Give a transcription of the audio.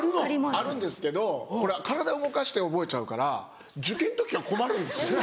あるんですけどこれ体動かして覚えちゃうから受験の時が困るんですよ。